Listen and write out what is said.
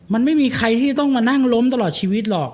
มันไม่มีใครที่จะต้องมานั่งล้มตลอดชีวิตหรอก